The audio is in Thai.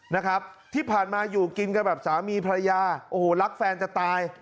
นะครับที่ผ่านมาอยู่กินกันแบบสามีภรรยาโอ้โหรักแฟนจะตาย